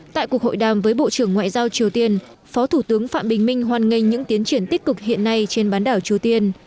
tại cuộc hội đàm với bộ trưởng ngoại giao triều tiên phó thủ tướng phạm bình minh hoan nghênh những tiến triển tích cực hiện nay trên bán đảo triều tiên